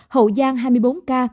hậu giang hai mươi bốn ca